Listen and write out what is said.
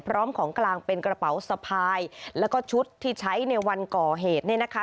พร้อมของกลางเป็นกระเป๋าสะพายแล้วก็ชุดที่ใช้ในวันก่อเหตุเนี่ยนะคะ